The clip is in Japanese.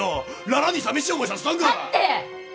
羅羅にさみしい思いさせたんが！だって！